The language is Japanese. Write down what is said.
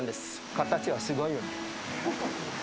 形がすごいよね。